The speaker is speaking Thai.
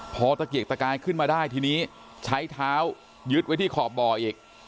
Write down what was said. พอตะเกียกตะกายขึ้นมาได้ทีนี้ใช้เท้ายึดไว้ที่ขอบบ่ออีก